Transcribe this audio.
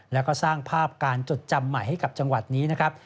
แล้วก็สร้างภาพการจดจำใหม่ให้กับจังหวัดนี้นะครับ